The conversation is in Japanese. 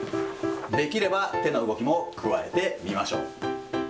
できれば手の動きも加えてみましょう。